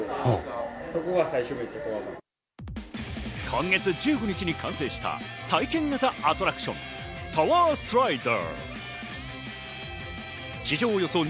今月１５日に完成した体験型アトラクション、タワースライダー。